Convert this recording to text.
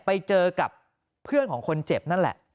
ไปเจอกับเพื่อนของคนเจ็บนั่นแหละ